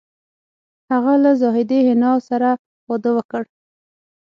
هغه له زاهدې حنا سره واده وکړ